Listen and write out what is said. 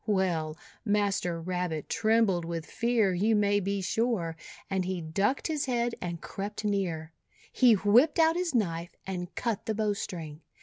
Well, Master Rabbit trembled with fear, you may be sure, and he ducked his head and crept near. He whipped out his knife, and cut the bowstring.